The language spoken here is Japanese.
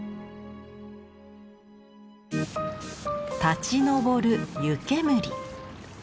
立ち上る湯煙。